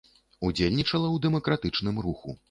Удзельнічала ў дэмакратычным руху.